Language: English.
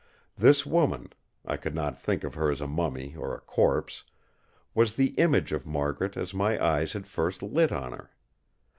This woman—I could not think of her as a mummy or a corpse—was the image of Margaret as my eyes had first lit on her.